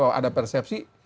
bahwa ada persepsi